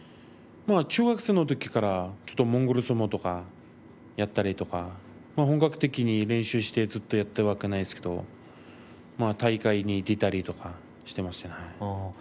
中学生のころからモンゴル相撲とかやったりとか本格的に練習してずっとやっていたわけではないですけど大会に出たりとかしていましたね。